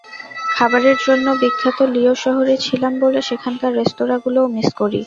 খাবারের জন্য বিখ্যাত লিওঁ শহরে ছিলাম বলে সেখানকার রেস্তোরাঁগুলোও মিস করি।